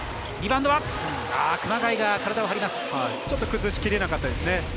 ちょっと崩しきれなかったですね。